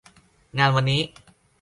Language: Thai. งานวันนี้